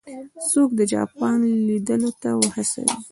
څوک د جاپان لیدلو ته وهڅوي.